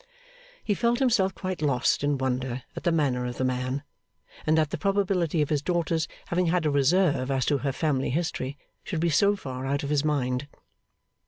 He felt himself quite lost in wonder at the manner of the man, and that the probability of his daughter's having had a reserve as to her family history, should be so far out of his mind.